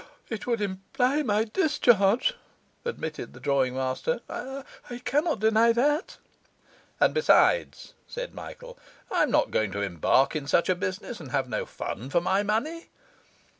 'It would imply my discharge,' admitted the drawing master. 'I cannot deny that.' 'And besides,' said Michael, 'I am not going to embark in such a business and have no fun for my money.